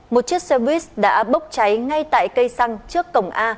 một chiếc xe buýt đã bốc cháy ngay tại cây xăng trước cổng a